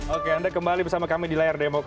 oke anda kembali bersama kami di layar demokrasi